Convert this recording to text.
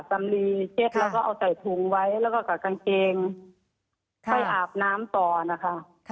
สำลีเช็ดแล้วก็เอาใส่ถุงไว้แล้วก็กับกางเกงไปอาบน้ำต่อนะคะ